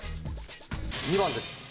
２番です。